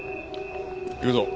行くぞ。